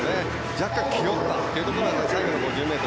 若干、気負ったというところが最後の５０ｍ。